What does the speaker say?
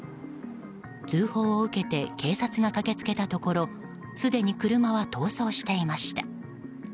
通報を受けて警察が駆け付けたところすでに車は逃走していました。